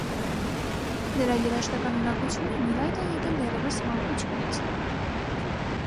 Նրա երաժշտական ունակություններն ի հայտ են եկել դեռևս վաղ մանկությունից։